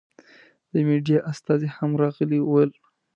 د مېډیا استازي هم راغلي ول.